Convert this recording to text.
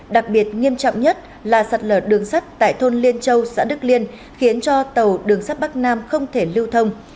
đặc biệt nghiêm trọng nhất là sạt lở đường sắt tại thôn liên châu xã đức liên khiến cho tàu đường sắt bắc nam không thể lưu thông